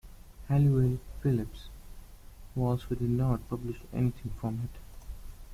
Halliwell-Phillips, who also did not publish anything from it.